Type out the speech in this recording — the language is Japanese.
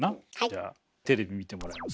じゃあテレビ見てもらえますか。